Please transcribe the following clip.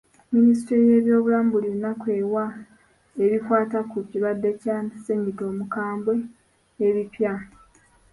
Minisitule y'ebyobulamu buli lunaku ewa ebikwata ku kirwadde kya ssennyiga omukambwe ebipya.